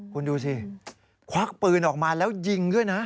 คุณดูสิควักปืนออกมาแล้วยิงด้วยนะ